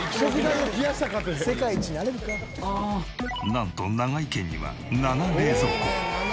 なんと永井家には７冷蔵庫。